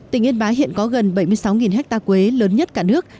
tỉnh yên bá hiện có gần bảy mươi sáu hectare quế lớn nhất cả nước